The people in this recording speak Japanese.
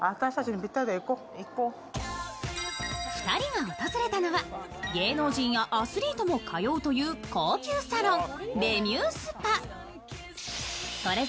２人が訪れたのは芸能人やアスリートも通うという高級サロン・レミュースパ。